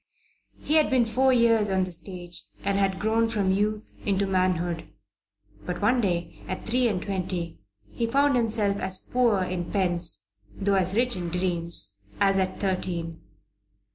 He had been four years on the stage and had grown from youth into manhood. But one day at three and twenty he found himself as poor in pence, though as rich in dreams, as at thirteen.